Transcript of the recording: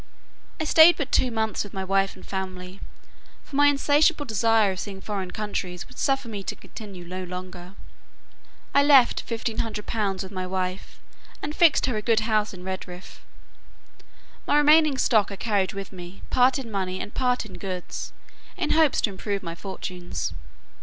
I stayed but two months with my wife and family, for my insatiable desire of seeing foreign countries, would suffer me to continue no longer. I left fifteen hundred pounds with my wife, and fixed her in a good house at Redriff. My remaining stock I carried with me, part in money and part in goods, in hopes to improve my fortunes.